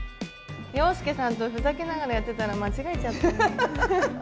洋輔さんとふざけながらやってたら間違えちゃった。